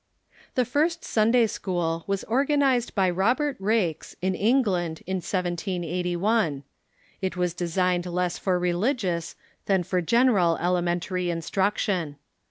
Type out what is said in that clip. ] The first Siuiday school was organized b)^ Robert Raikes, in England, in 1781. It was designed less for religious than for general elementary instruction.